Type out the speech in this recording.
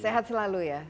sehat selalu ya